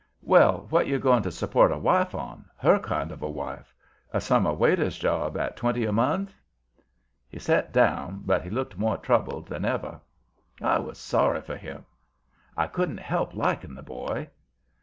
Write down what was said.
Well, what you going to support a wife on her kind of a wife? A summer waiter's job at twenty a month?" He set down, but he looked more troubled than ever. I was sorry for him; I couldn't help liking the boy.